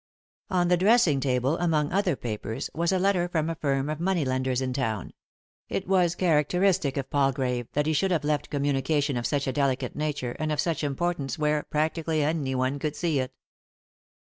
On the dressing table, among other papers, was a letter from a firm of money lenders hi town ; it was characteristic of Palgrave that he should have left a communication of such a delicate nature, and of such importance, where, practically, anyone could see it.